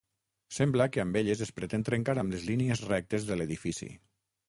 Sembla que amb elles es pretén trencar amb les línies rectes de l'edifici.